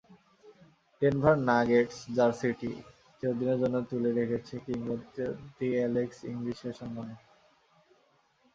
Denver Nuggets জার্সিটি চিরদিনের জন্য তুলে রেখেছে কিংবদন্তি অ্যালেক্স ইংলিশের সম্মানে।